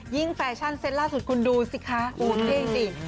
ยิ่งแฟชั่นเซ็นต์ล่าสุดคุณดูสิคะโฮเท่จริง